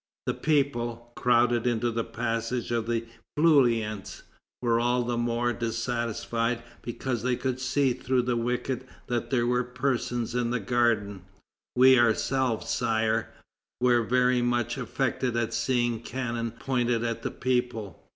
The people, crowded into the passage of the Feuillants, were all the more dissatisfied because they could see through the wicket that there were persons in the garden. We ourselves, Sire, were very much affected at seeing cannon pointed at the people.